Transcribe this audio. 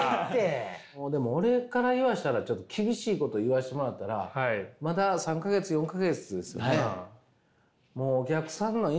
もうでも俺から言わせたらちょっと厳しいこと言わしてもらったらまだ３か月４か月ですよね？